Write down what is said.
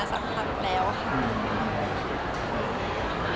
สักครั้งแล้วค่ะ